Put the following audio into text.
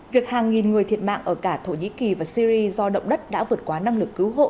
việc hàng nghìn người thiệt mạng ở cả thổ nhĩ kỳ và syri do động đất đã vượt quá năng lực cứu hộ